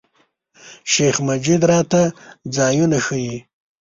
شیخ مجید راته ځایونه ښیي.